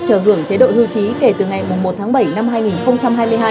chờ hưởng chế độ hưu trí kể từ ngày một tháng bảy năm hai nghìn hai mươi hai